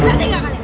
ratih nggak kalian